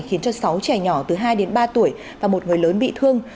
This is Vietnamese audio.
khiến cho sáu trẻ nhỏ từ hai đến ba tuổi và một người lớn bị thương